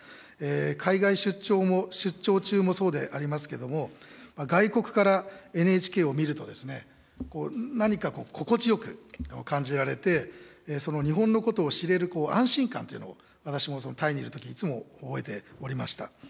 海外出張中もそうでありますけども、外国からＮＨＫを見ると、何か心地よく感じられて、日本のことを知れる安心感というのを、私もタイにいるとき、いつも覚えておりました。